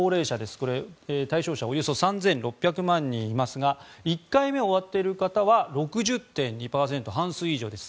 これは対象者およそ３６００万人いますが１回目を終わっている方は６０．２％、半数以上です。